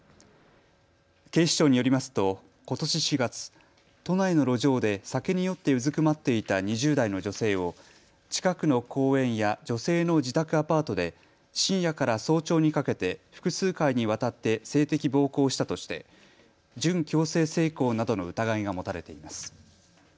警視庁によりますと、ことし４月、都内の路上で酒に酔ってうずくまっていた２０代の女性を近くの公園や女性の自宅アパートで深夜から早朝にかけて複数回にわたって性的暴行をしたとして準強制性交などの疑いが持たれています。